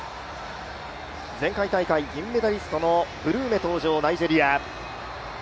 前回大会銀メダリストのブルーメ登場、ナイジェリア。